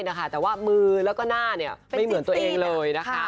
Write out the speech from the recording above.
แต่ว่ามือแล้วก็หน้าไม่เหมือนตัวเองเลยนะคะ